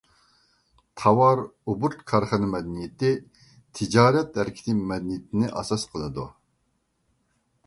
تاۋار ئوبوروت كارخانا مەدەنىيىتى تىجارەت ھەرىكىتى مەدەنىيىتىنى ئاساس قىلىدۇ.